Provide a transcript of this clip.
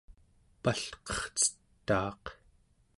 palqercetaaq